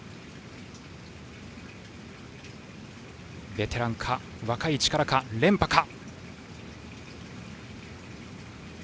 ベテランか、若い力か、連覇か。